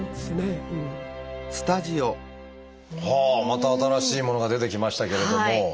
また新しいものが出てきましたけれども。